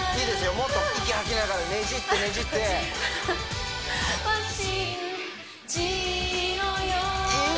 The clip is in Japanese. もっと息吐きながらねじってねじって信じろよいいね！